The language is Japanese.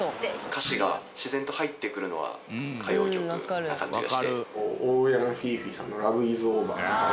歌詞が自然と入ってくるのは歌謡曲な感じがして。